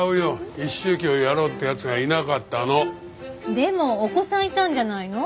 でもお子さんいたんじゃないの？